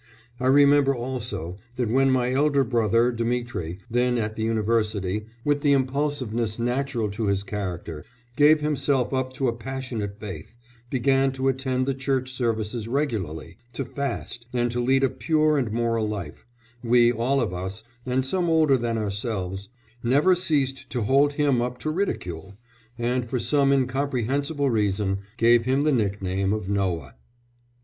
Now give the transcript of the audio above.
I remember also that when my elder brother, Dmitri, then at the university, with the impulsiveness natural to his character, gave himself up to a passionate faith, began to attend the Church services regularly, to fast, and to lead a pure and moral life, we all of us, and some older than ourselves, never ceased to hold him up to ridicule, and for some incomprehensible reason, gave him the nickname of Noah."